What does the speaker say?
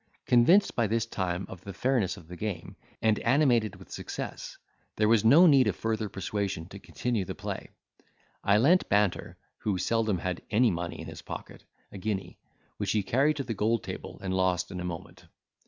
Convinced by this time of the fairness of the game, and animated with success, there was no need of further persuasion to continue the play: I lent Banter (who seldom had any money in his pocket) a guinea, which he carried to the gold table, and lost in a moment.